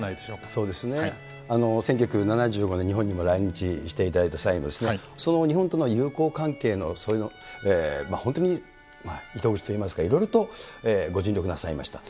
そうですね、１９７５年、日本にも来日していただいた際に、その日本との友好関係の、本当に糸口といいますか、いろいろとご尽力なさいました。